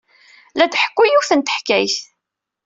La d-tḥekku yiwet n teḥkayt.